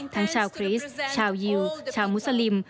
ทั้งชาวคริสต์ชาวยิวชาวมุสลิม